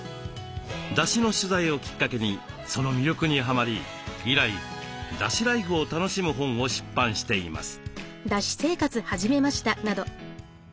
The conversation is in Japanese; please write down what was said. だしの取材をきっかけにその魅力にはまり以来だしライフを楽しむ本を出版しています。